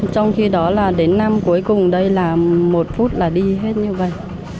trong khi đó là đến năm cuối cùng đây là một phút là đi hết như vậy